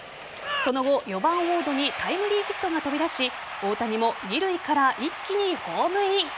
その後、４番・ウォードにタイムリーヒットが飛び出し大谷も二塁から一気にホームイン。